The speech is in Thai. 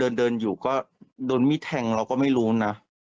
เดินอยู่ก็โดนมีดแทงเราก็ไม่รู้นะ